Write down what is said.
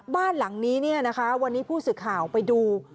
บ้านหลังนี้วันนี้ผู้สื่อข่าวไปดู